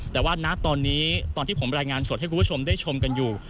แต่ว่าณตอนนี้ตอนที่ผมรายงานสดให้คุณผู้ชมได้ชมกันอยู่